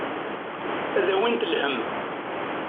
Ad d-awint lhemm.